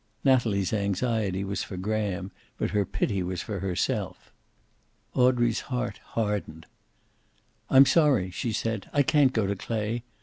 Natalie's anxiety was for Graham, but her pity was for herself. Audrey's heart hardened. "I'm sorry," she said. "I can't go to Clay.